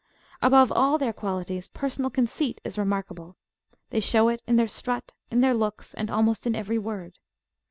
Above all their qualities, personal conceit is remarkable: they show it in their strut, in their looks, and almost in every word.